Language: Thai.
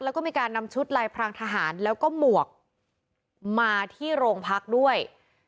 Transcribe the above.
แล้วก็มีการนำชุดลายพรางทหารแล้วก็หมวกมาที่โรงพักด้วย